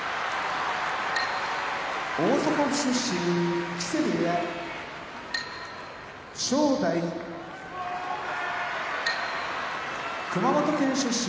大阪府出身木瀬部屋正代熊本県出身